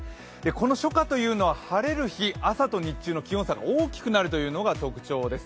この初夏というのは、晴れる日、朝と日中の気温差が激しいというのが特徴です。